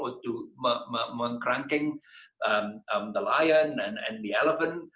atau untuk mengkrankingkan lion dan elefant